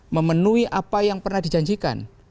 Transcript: memenuhi apa yang pernah dijanjikan